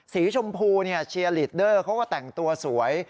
สีชมพูเชียร์ลีดเดอร์เขาก็แต่งตัวสวย